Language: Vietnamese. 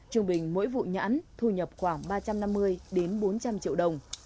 trung bình mỗi vụ nhãn thu nhập khoảng ba trăm năm mươi đến bốn trăm linh triệu đồng